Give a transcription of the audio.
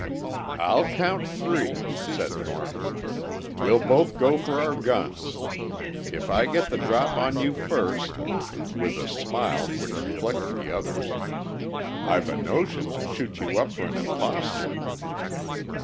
"I'll count three," said Thornton. "We'll both go for our guns. If I get the drop on you first," with a smile which reflected the other's, "I've a notion to shoot you up for an impostor!"